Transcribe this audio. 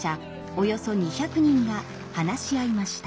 およそ２００人が話し合いました。